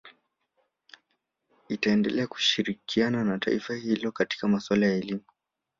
Itaendelea kushirikiana na taifa hilo katika maswala ya elimu